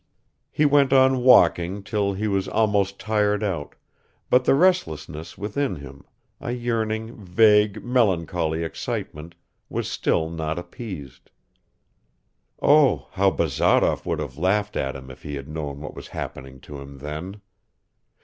He went on walking till he was almost tired out, but the restlessness within him, a yearning vague melancholy excitement, was still not appeased. Oh, how Bazarov would have laughed at him if he had known what was happening to him then!